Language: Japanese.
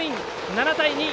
７対２！